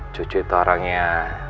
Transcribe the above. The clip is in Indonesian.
cucu itu orangnya